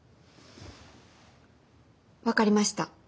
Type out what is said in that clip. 分かりました。